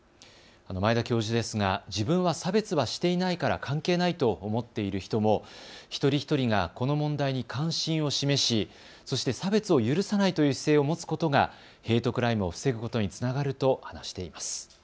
前田教授ですが自分は差別はしていないから関係ないと思っている人も一人一人がこの問題に関心を示しそして差別を許さないという姿勢を持つことがヘイトクライムを防ぐことにつながると話しています。